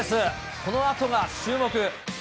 このあとが注目。